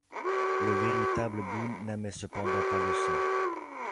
Le véritable Boone n'aimait cependant pas le sang.